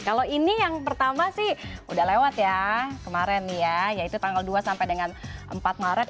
kalau ini yang pertama sih udah lewat ya kemarin nih ya yaitu tanggal dua sampai dengan empat maret